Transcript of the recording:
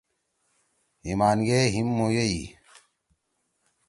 ہیِمان گے ہیِم مُویوئی۔